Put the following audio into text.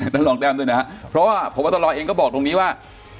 นั่นลองแดมด้วยนะครับเพราะว่าผมว่าตลอดเองก็บอกตรงนี้ว่า